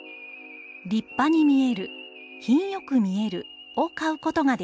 『りっぱに見える』『品よく見える』を買うことができます。